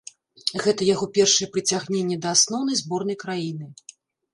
Гэта яго першае прыцягненне да асноўнай зборнай краіны.